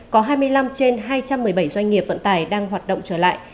có hai mươi năm trên hai trăm một mươi bảy doanh nghiệp vận tải đang hoạt động trở lại